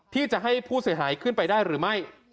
ที่จะให้ผู้เสียหายขึ้นไปได้หรือไม่